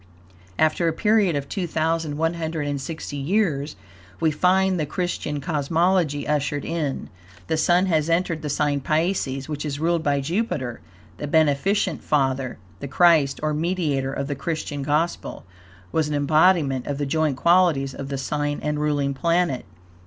After a period of 2,160 years, we find the Christian cosmology ushered in. The Sun has entered the sign Pisces, which is ruled by Jupiter, the beneficent father. The Christ, or mediator, of the Christian Gospel was an embodiment of the joint qualities of the sign and ruling planet.